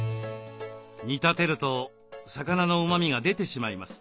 煮立てると魚のうまみが出てしまいます。